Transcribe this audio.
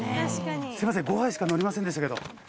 すいません５杯しかのりませんでしたけど。